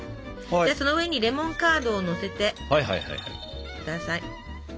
でその上にレモンカードをのせて下さい。